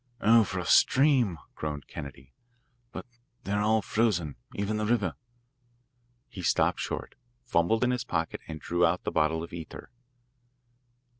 "Oh, for a stream," groaned Kennedy, "but they are all frozen even the river. He stopped short, fumbled in his pocket, and drew out the bottle of ether.